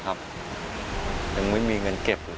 แต่ก็ยังไม่มีเงินเก็บให้ลูก